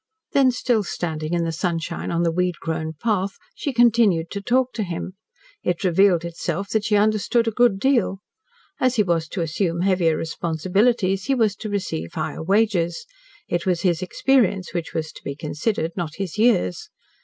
Then still standing in the sunshine, on the weed grown path, she continued to talk to him. It revealed itself that she understood a good deal. As he was to assume heavier responsibilities, he was to receive higher wages. It was his experience which was to be considered, not his years.